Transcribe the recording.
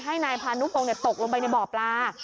ให้นายพานุพงศ์ตกลงไปในบ่อปลา